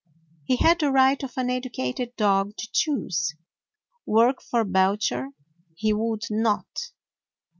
He had the right of an educated dog to choose. Work for Belcher he would not.